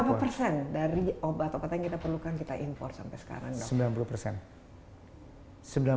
berapa persen dari obat obat yang kita perlukan kita impor sampai sekarang